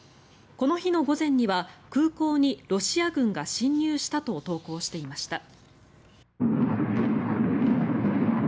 この日の午前には空港にロシア軍が侵入したと投稿していました。